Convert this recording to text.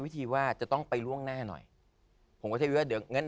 บ๊วยบ๊วยบ๊วย